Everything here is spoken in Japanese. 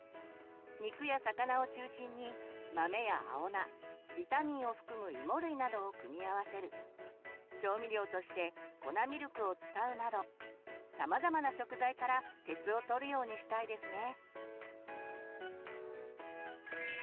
肉や魚を中心に豆や青菜ビタミンを含むいも類などを組み合わせる調味料として粉ミルクを使うなどさまざまな食材から鉄をとるようにしたいですね。